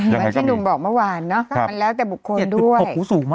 เหมือนที่หนุ่มบอกเมื่อวานเนอะมันแล้วแต่บุคคลด้วย